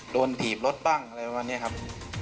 โดนถีบรถบ้างอะไรแบบนี้ครับ